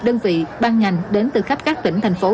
đơn vị ban ngành đến từ khắp các tỉnh thành phố